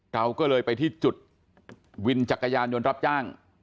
เราก็เลยไปที่จุดวินจักรยานยนต์รับจ้าง